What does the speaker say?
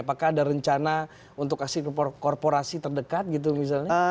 apakah ada rencana untuk kasih ke korporasi terdekat gitu misalnya